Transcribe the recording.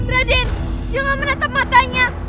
raden jangan menetap matanya